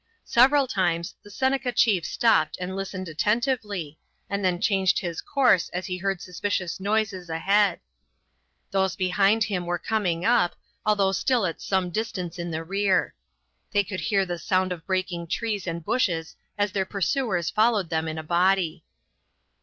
Several times the Seneca chief stopped and listened attentively, and then changed his course as he heard suspicious noises ahead. Those behind them were coming up, although still at some distance in the rear. They could hear the sound of breaking trees and bushes as their pursuers followed them in a body.